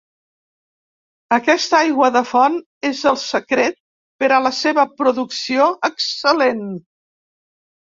Aquesta aigua de font és el secret per a la seva producció excel·lent.